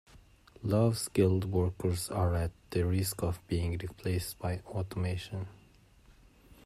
Low-skilled workers are at the risk of being replaced by automation.